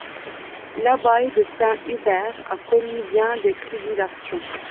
L'abbaye de Saint-Hubert a connu bien des tribulations.